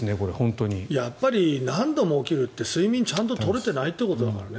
やっぱり何度も起きるって睡眠をちゃんと取れてないってことだからね。